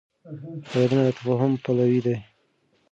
اورېدنه د تفاهم پیلوي.